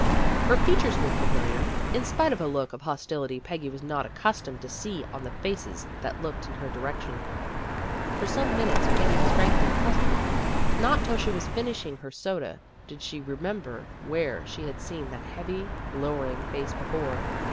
Her features were familiar, in spite of a look of hostility Peggy was not accustomed to see on the faces that looked in her direction. For some minutes Peggy was frankly puzzled. Not till she was finishing her soda did she remember where she had seen that heavy, lowering face before.